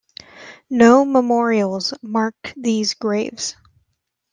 No memorials mark these graves.